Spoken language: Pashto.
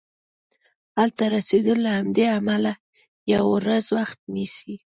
هلته رسیدل له همدې امله یوه ورځ وخت نیسي.